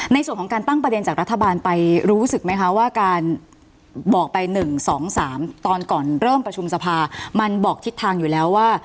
ในส่วนของการตั้งประเด็นจากรัฐบาลไปรู้สึกไหมคะว่าการบอกไป๑๒๓ตอนก่อนเริ่มประชุมสภามันบอกทิศทางอยู่แล้วว่า